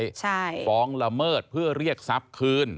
อยากลำเมิดเพื่อเรียกซับคืน